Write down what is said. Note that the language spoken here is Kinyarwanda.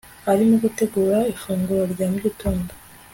arimo gutegura ifunguro rya mu gitondo